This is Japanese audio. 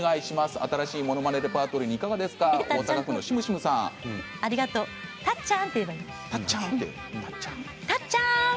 新しいものまねレパートリーにたっちゃん！